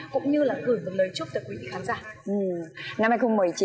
cũng như là gửi một lời chúc tới quý vị khán giả